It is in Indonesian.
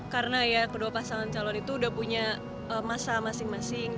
karena ya kedua pasangan calon itu udah punya masa masing masing